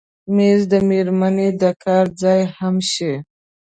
مېز د مېرمنې د کار ځای هم شي.